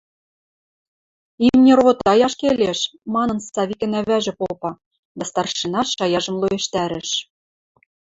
– Имни ровотаяш келеш, – манын, Савикӹн ӓвӓжӹ попа, дӓ старшина шаяжым лоэштӓрӹш: